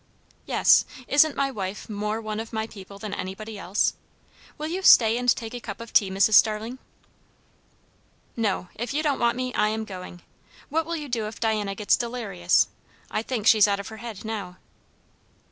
"Yes. Isn't my wife more one of my people than anybody else? Will you stay and take a cup of tea, Mrs. Starling?" "No; if you don't want me, I am going. What will you do if Diana gets delirious? I think she's out of her head now."